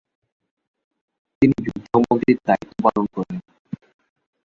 তিনি যুদ্ধমন্ত্রীর দায়িত্ব পালন করেন।